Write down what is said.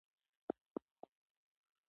ملک محمد وویل چې خپلوان یې په سینګران کې دي.